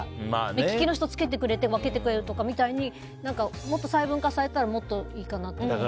目利きの人をつけてくれて分けてくれるとかみたいにもっと細分化されたらいいかなと。